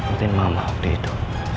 bisa korbankannya kepala waspada